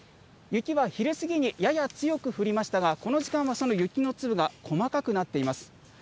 雪は昼過ぎにやや強く降りましたが、この時間はその雪の粒が細かくなっています。